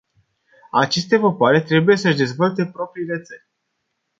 Aceste popoare trebuie să-și dezvolte propriile țări.